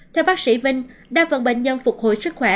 theo bác sĩ vinh đa phần bệnh nhân phục hồi sức khỏe